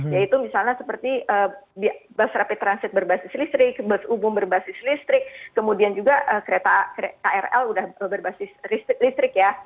yaitu misalnya seperti bus rapid transit berbasis listrik bus umum berbasis listrik kemudian juga kereta krl sudah berbasis listrik ya